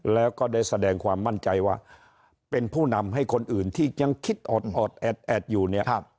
แล้วก็ได้แสดงความมั่นใจว่าเป็นผู้นำให้คนอื่นที่ยังคิดออดแอดแอดอยู่เนี่ย